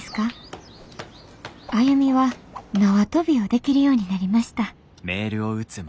歩は縄跳びをできるようになりました。